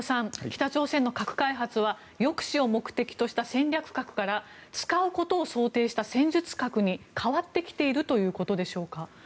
北朝鮮の核開発は抑止を目的とした戦略核から使うことを想定した戦術核に変わってきているということでしょうか。